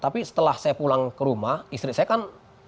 tapi setelah saya pulang ke rumah istri saya kan